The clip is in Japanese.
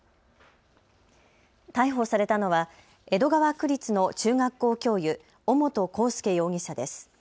逮捕されたのは江戸川区立の中学校教諭、尾本幸祐容疑者です。